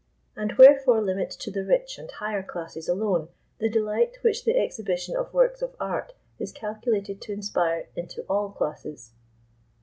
And wherefore limit to the rich and higher classes alone the delight which the exhibition of works of art is calculated to inspire into all classes?